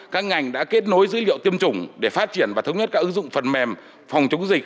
các ngành đã kết nối dữ liệu tiêm chủng để phát triển và thống nhất các ứng dụng phần mềm phòng chống dịch